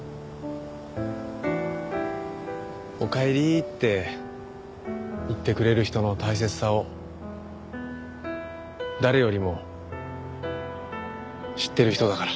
「おかえり」って言ってくれる人の大切さを誰よりも知ってる人だから。